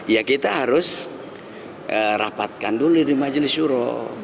ya kita harus rapatkan dulu di majelis syuro